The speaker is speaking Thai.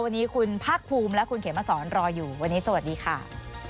วันนี้คุณภาคภูมิและคุณเขมสอนรออยู่วันนี้สวัสดีค่ะ